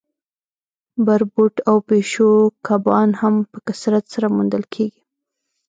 بربوټ او پیشو کبان هم په کثرت سره موندل کیږي